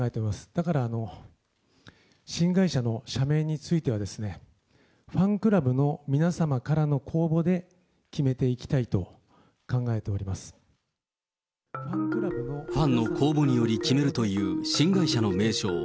だから、しん会社の社名については、ファンクラブの皆様からの公募で決めファンの公募により決めるという新会社の名称。